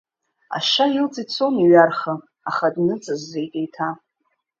Ашьа илҵ ицон иҩарха, аха дныҵыззеит еиҭа.